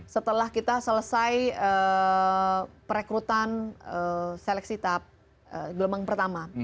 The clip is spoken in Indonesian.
setelah kita selesai perekrutan seleksi tahap gelombang pertama